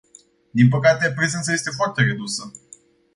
Din păcate, prezența este foarte redusă.